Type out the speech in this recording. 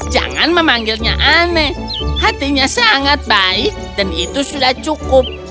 jangan memanggilnya aneh hatinya sangat baik dan itu sudah cukup